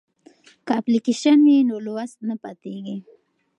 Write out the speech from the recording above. که اپلیکیشن وي نو لوست نه پاتیږي.